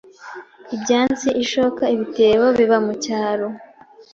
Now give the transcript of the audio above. ibyansi, ishoka, ibitebo biba mucyaro…